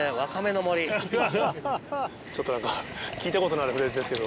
ちょっと何か聞いたことのあるフレーズですけど。